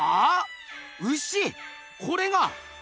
これが？